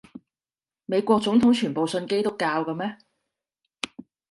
美國總統全部信基督教嘅咩？